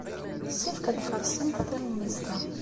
Yessefk ad tfaṛsemt talemmiẓt-a.